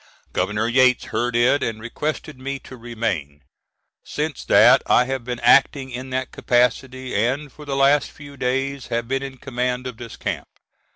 Governor Yates heard it and requested me to remain. Since that I have been acting in that capacity, and for the last few days have been in command of this camp.